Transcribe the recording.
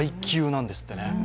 なんですってね。